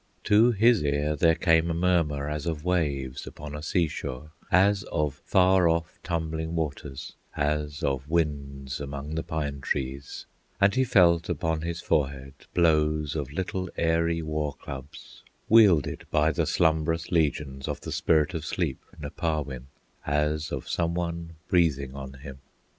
To his ear there came a murmur As of waves upon a sea shore, As of far off tumbling waters, As of winds among the pine trees; And he felt upon his forehead Blows of little airy war clubs, Wielded by the slumbrous legions Of the Spirit of Sleep, Nepahwin, As of some one breathing on him.